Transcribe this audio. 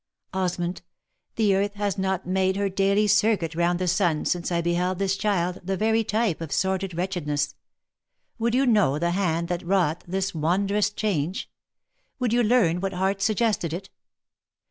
Osmond, the earth has not made her daily circuit round the sun since I beheld this child the very type of sordid wretchedness; would you know the hand that wrought this wondrous change? Would you learn what heart suggested it?